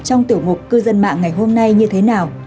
trong tiểu mục cư dân mạng ngày hôm nay như thế nào